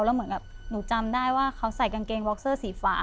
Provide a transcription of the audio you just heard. แล้วเหมือนกับหนูจำได้ว่าเขาใส่กางเกงว็อกเซอร์สีฟ้า